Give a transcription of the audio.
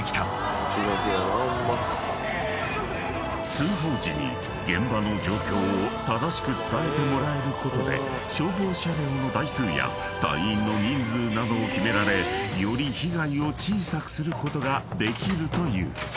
［通報時に現場の状況を正しく伝えてもらえることで消防車両の台数や隊員の人数などを決められより被害を小さくすることができるという］